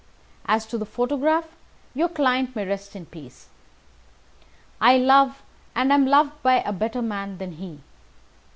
As to the photograph, your client may rest in peace. I love and am loved by a better man than he.